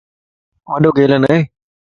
وڏو گيلن ڪٿي ائي؟